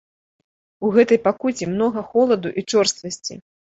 У гэтай пакуце многа холаду і чорствасці.